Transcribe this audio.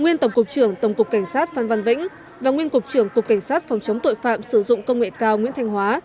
nguyên tổng cục trưởng tổng cục cảnh sát phan văn vĩnh và nguyên cục trưởng cục cảnh sát phòng chống tội phạm sử dụng công nghệ cao nguyễn thanh hóa